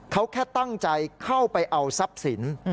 เขาแค่ตั้งใจเข้าไปเอาทรัพย์สิน